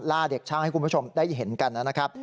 เด็กช่างให้คุณผู้ชมได้เห็นกันนะครับ